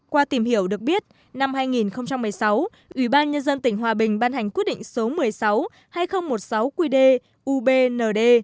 qua tìm hiểu được biết năm hai nghìn một mươi sáu ủy ban nhân dân tỉnh hòa bình ban hành quyết định số một mươi sáu hai nghìn một mươi sáu qd ubnd